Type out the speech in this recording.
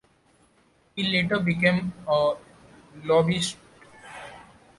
He later became a lobbyist.